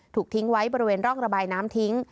ถูกทิ้งไว้บริเวณร่องระบายน้ำทิ้ง